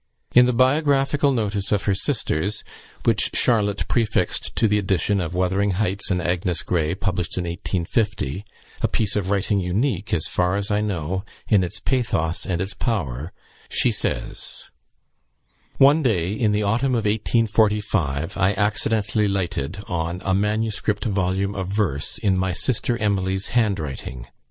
In the biographical notice of her sisters, which Charlotte prefixed to the edition of "Wuthering Heights" and "Agnes Grey," published in 1850 a piece of writing unique, as far as I know, in its pathos and its power she says: "One day in the autumn of 1845, I accidentally lighted on a MS. volume of verse, in my sister Emily's handwriting.